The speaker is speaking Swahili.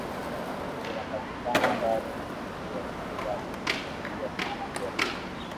vinapatikana mbali na miji lakini bado huchangia sana kwa